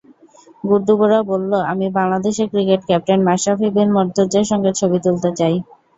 গুড্ডুবুড়া বলল, আমি বাংলাদেশের ক্রিকেট ক্যাপ্টেন মাশরাফি বিন মুর্তজার সঙ্গে ছবি তুলতে চাই।